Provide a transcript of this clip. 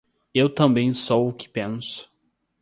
Eu também sou o que penso.